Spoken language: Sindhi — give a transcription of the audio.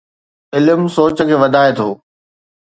علم سوچ کي وڌائي ٿو.